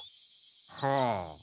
はあ。